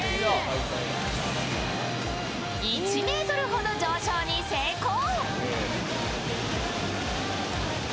１ｍほど上昇に成功。